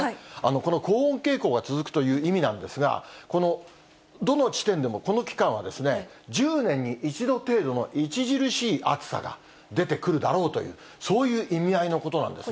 この高温傾向が続くという意味なんですが、どの地点でもこの期間は、１０年に一度程度の著しい暑さが出てくるだろうという、そういう意味合いのことなんですね。